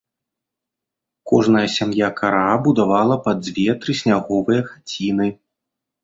Кожная сям'я кара будавала па дзве трысняговыя хаціны.